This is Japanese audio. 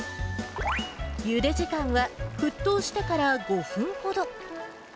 ゆで時間は、沸騰してから５分ほど。